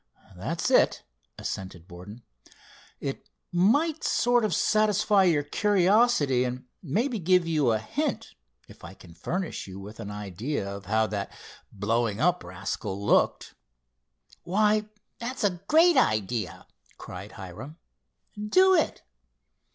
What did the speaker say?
"That's it," assented Borden. "It might sort of satisfy your curiosity, and maybe give you a hint, if I can furnish you with an idea of how that blowing up rascal looked." "Why, that's a great idea!" cried Hiram. "Do it!"